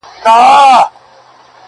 توري بڼي دي په سره لمر کي ځليږي٫